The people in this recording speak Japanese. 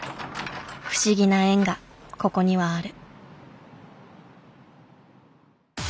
不思議な縁がここにはある。